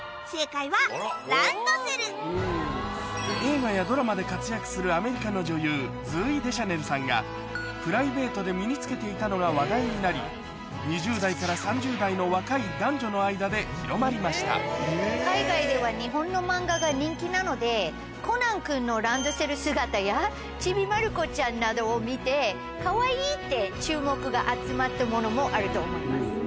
映画やドラマで活躍するアメリカのプライベートで身に着けていたのが話題になり２０代から３０代の若い男女の間で広まりました海外では日本の漫画が人気なのでコナン君のランドセル姿や『ちびまる子ちゃん』などを見てかわいいって注目が集まったものもあると思います。